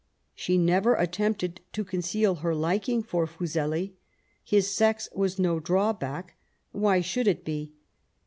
She never attempted to conceal her liking for Fuseli. His sex was no drawback. Why should it be?